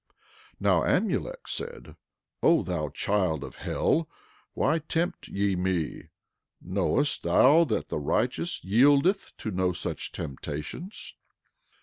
11:23 Now Amulek said: O thou child of hell, why tempt ye me? Knowest thou that the righteous yieldeth to no such temptations?